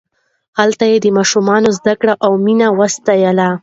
هلته یې د ماشومانو زدکړه او مینه وستایله.